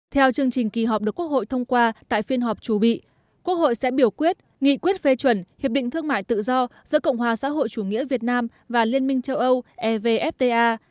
theo chương trình kỳ họp được quốc hội thông qua tại phiên họp chủ bị quốc hội sẽ biểu quyết nghị quyết phê chuẩn hiệp định thương mại tự do giữa cộng hòa xã hội chủ nghĩa việt nam và liên minh châu âu evfta